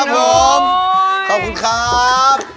ขอบคุณครับ